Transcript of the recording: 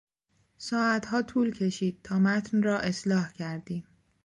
ساعتها طول کشید تا متن را اصلاح کردیم.